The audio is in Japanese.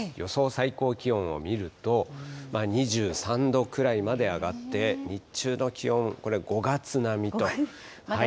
最高気温を見ると、２３度くらいまで上がって、日中の気温、これ、５月並みと。